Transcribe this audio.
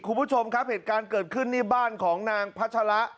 คุณผู้ชมครับเหตุการณ์เกิดขึ้นนี่บ้านของนางพัชระ